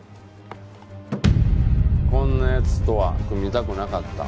「こんな奴とは組みたくなかった」